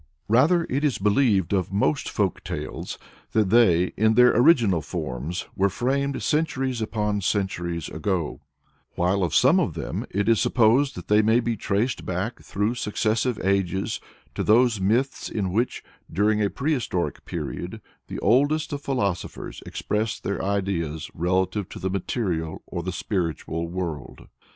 Rather is it believed of most folk tales that they, in their original forms, were framed centuries upon centuries ago; while of some of them it is supposed that they may be traced back through successive ages to those myths in which, during a prehistoric period, the oldest of philosophers expressed their ideas relative to the material or the spiritual world.